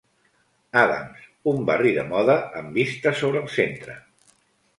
Adams, un barri de moda amb vistes sobre el centre.